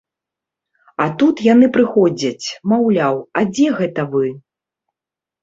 А тут яны прыходзяць, маўляў, а дзе гэта вы?